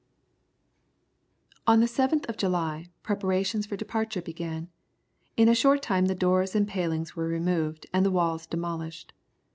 On the 7th of July, preparations for departure began. In a short time the doors and palings were removed, and the walls demolished.